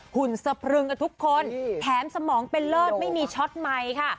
หุ่นสะพรึงกับทุกคนแถมสมองเป็นเลิศไม่มีช็อตใหม่ค่ะ